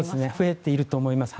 増えていると思います。